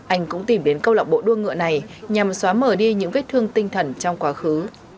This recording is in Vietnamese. anh cũng tìm đến câu lạc bộ đua ngựa này nhằm xóa mở đi những vết thương tinh thần trong quá khứ